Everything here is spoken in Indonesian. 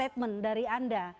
apa statement dari anda